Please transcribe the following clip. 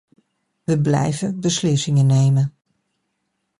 We blijven beslissingen nemen.